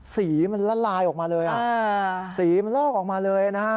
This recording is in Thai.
สีมันละลายออกมาเลยสีมันลอกออกมาเลยนะฮะ